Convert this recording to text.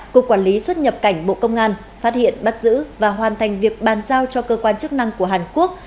cục quản lý xuất nhập cảnh bộ công an phát hiện bắt giữ và hoàn thành việc bàn giao cho cơ quan chức năng của hàn quốc